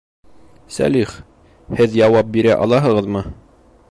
Сәлих, һеҙ яуап бирә алаһығыҙмы?